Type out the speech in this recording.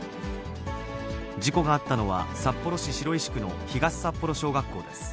事故があったのは、札幌市白石区の東札幌小学校です。